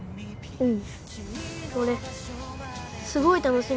うん